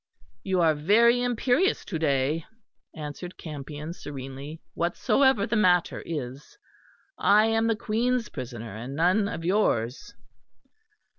"You are very imperious to day," answered Campion serenely, "whatsoever the matter is. I am the Queen's prisoner, and none of yours."